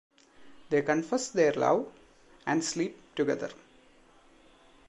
They confess their love and sleep together.